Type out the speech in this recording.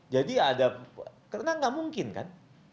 jadi ada karena nggak mungkin kan